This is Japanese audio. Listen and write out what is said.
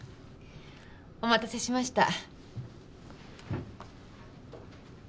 お待たせしました。